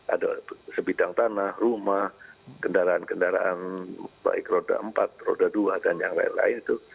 ada sebidang tanah rumah kendaraan kendaraan baik roda empat roda dua dan yang lain lain itu